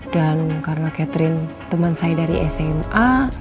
dan karena catherine temen saya dari sma